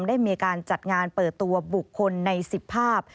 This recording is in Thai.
ได้มีการจัดงานเปิดตัวบุคคลใน๑๐ภาพ